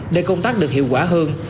để công tác được hiệu quả hơn